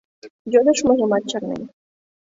Йодыштмыжымат чарнен.